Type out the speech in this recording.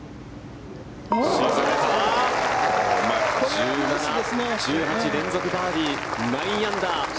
１７、１８連続バーディー９アンダー。